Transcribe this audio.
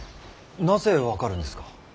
なぜ分かるんですか。